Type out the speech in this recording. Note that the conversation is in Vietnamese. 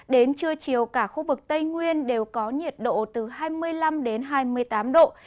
đến trưa chiều cả khu vực tây nguyên đều có nhiệt độ từ hai mươi năm hai mươi tám độ